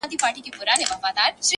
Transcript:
• ما پرون د ګل تصویر جوړ کړ ته نه وې,